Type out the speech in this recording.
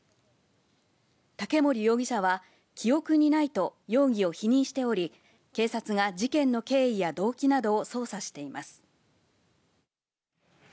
竹森容疑者は記憶にないと容疑を否認しており、警察が事件の経緯や動機などを捜査しています。